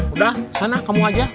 udah sana kamu aja